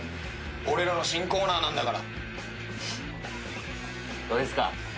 俺らの新コーナーなんだから。